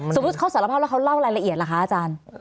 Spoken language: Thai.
สมมุติเขาสารภาพแล้วเขาเล่ารายละเอียดล่ะคะอาจารย์